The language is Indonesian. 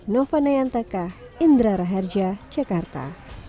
nova nayantaka indra raharja jakarta